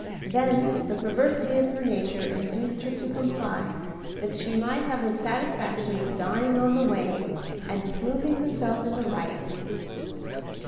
Then the perversity of her nature induced her to comply, that she might have the satisfaction of dying on the way, and proving herself in the right.